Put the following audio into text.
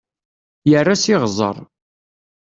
Yerra s iɣẓer.